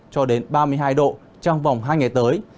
cho đến ba mươi hai độ trong vòng hai ngày tới